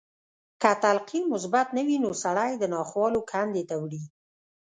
که تلقين مثبت نه وي نو سړی د ناخوالو کندې ته وړي.